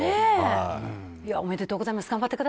おめでとうございます。